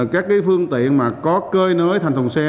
các phương tiện có cơi nới thành thùng xe